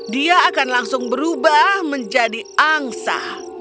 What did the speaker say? dia akan langsung berubah menjadi angsa